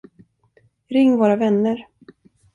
Ring våra vänner.